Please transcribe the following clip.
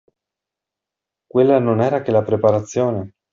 Quella non era che la preparazione!